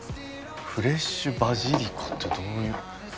フレッシュバジリコってどういう。